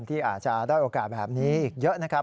ที่อาจจะด้อยโอกาสแบบนี้อีกเยอะนะครับ